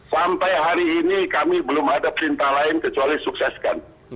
sampai hari ini kami belum ada perintah lain kecuali sukseskan